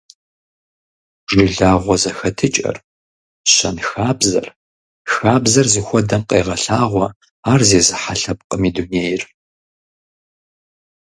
Жылагъуэ зэхэтыкӀэр, щэнхабзэр, хабзэр зыхуэдэм къегъэлъагъуэ ар зезыхьэ лъэпкъым и дунейр.